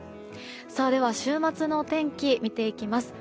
では、週末のお天気見ていきます。